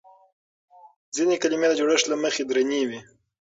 ځينې کلمې د جوړښت له مخې درنې وي.